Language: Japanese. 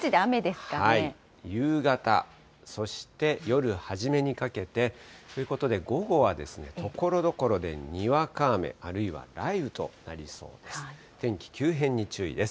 夕方、そして夜初めにかけて、ということで、午後はところどころでにわか雨、あるいは雷雨となりそうです。